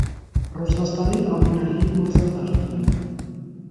Ռուսաստանի ամենահին մարզադաշտն է։